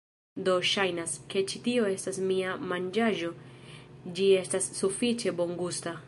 Do, ŝajnas, ke ĉi tio estas mia manĝaĵo ĝi estas sufiĉe bongusta